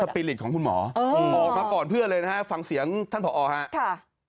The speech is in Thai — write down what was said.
สปีริกของคุณหมอหมอกมาก่อนเพื่อเลยฟังเสียงท่านผค่ะ